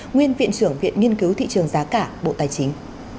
nguyên viện trưởng viện nghiên cứu thị trường giá cả bộ tài chính